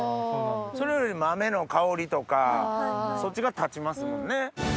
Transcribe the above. それより豆の香りとかそっちが立ちますもんね。